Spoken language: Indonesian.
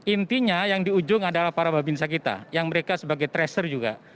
intinya yang di ujung adalah para babinsa kita yang mereka sebagai tracer juga